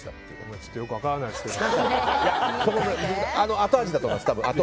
ちょっとよく分からないですけど。